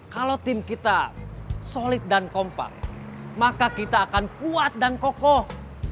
kalau tim kita solid dan kompak maka kita akan kuat dan kokoh